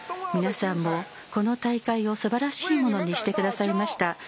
皆さんも、この大会をすばらしいものにしてくださいました。